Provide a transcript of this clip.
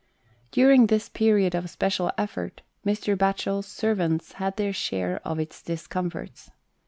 During this period of special effort, Mr. Batchel's servants had their share of its discomforts.